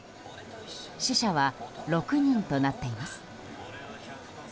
死者は６人となっています。